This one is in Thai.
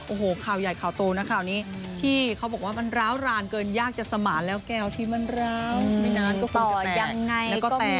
โอ้โหข่าวใหญ่ข่าวโตนะข่าวนี้ที่เขาบอกว่ามันร้าวรานเกินยากจะสมานแล้วแก้วที่มันร้าวไม่นานก็คงจะยังไง